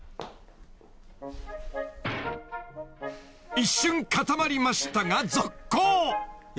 ［一瞬固まりましたが続行］え？